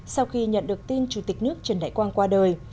sau khi nhận được tin chủ tịch nước trần đại quang qua đời